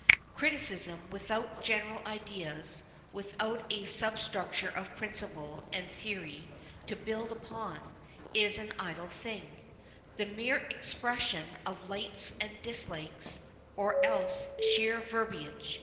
Criticism without general ideas, without a substructure of principle and theory to build upon, is an idle thing, the mere expression of likes and dislikes, or else sheer verbiage.